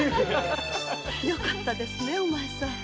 よかったですねお前さん。